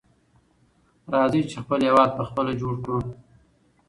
راځئ چې خپل هېواد په خپله جوړ کړو.